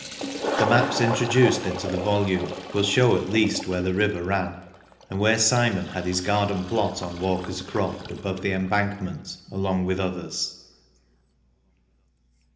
The maps introduced into the volume will show at least where the river ran, and where Simon had his garden plot on Walker's Croft above the embankment, along with others.